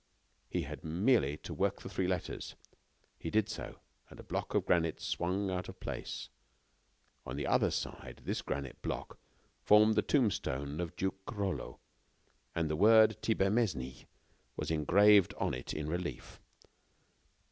He had merely to work the three letters. He did so, and a block of granite swung out of place. On the other side, this granite block formed the tombstone of Duke Rollo, and the word "Thibermesnil" was engraved on it in relief.